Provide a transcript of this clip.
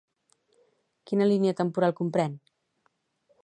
Quina línia temporal comprèn?